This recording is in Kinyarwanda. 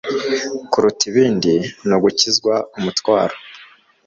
kuruta ibindi ni ugukizwa umutwaro